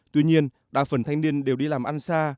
tuy nhiên đa phần thanh niên đều đi làm ăn xa